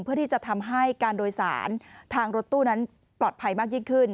เพื่อที่จะทำให้การโดยสารทางรถตู้นั้นปลอดภัยมากยิ่งขึ้น